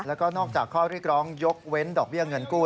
แล้วก็นอกจากข้อเรียกร้องยกเว้นดอกเบี้ยเงินกู้